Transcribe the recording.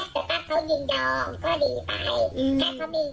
ถ้าเขามีกรอเราก็อาจจะถูกซ้อมหน่อยอย่างที่พี่บอกว่าผู้หญิงอาจจะโดนน้อย